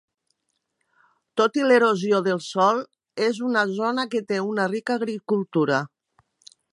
Tot i l'erosió del sòl, és una zona que té una rica agricultura.